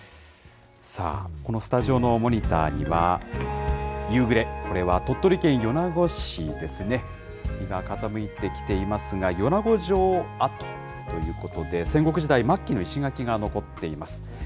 このスタジオのモニターには、夕暮れ、これは鳥取県米子市ですね、日が傾いてきていますが、米子城跡ということで、戦国時代末期の石垣が残っています。